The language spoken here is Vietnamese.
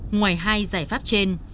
ngoài hai giải pháp trên